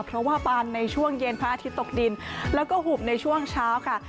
เพราะว่าบานในช่วงเย็นพระอาทิตย์ตกดินแล้วก็หุบในช่วงเช้าค่ะ